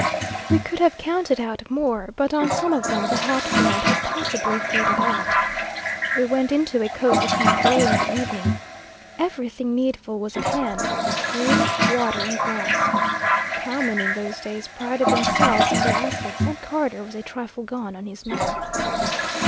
We could have counted out more, but on some of them the Hat brand had possibly faded out. We went into a cosy camp early in the evening. Everything needful was at hand, wood, water, and grass. Cowmen in those days prided themselves on their outfits, and Carter was a trifle gone on his men.